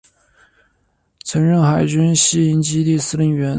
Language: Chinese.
曾任海军西营基地司令员。